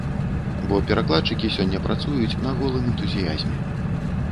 Бо перакладчыкі сёння працуюць на голым энтузіязме.